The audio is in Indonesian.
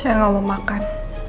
saya gak mau makan